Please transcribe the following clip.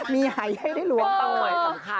มีไหว้ให้ด้วยล้วงนะครับหน่อย